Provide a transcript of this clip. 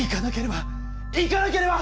行かなければ！